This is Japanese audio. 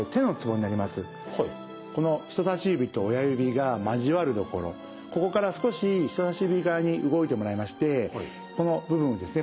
この人さし指と親指が交わるところここから少し人さし指側に動いてもらいましてこの部分をですね